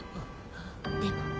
でも。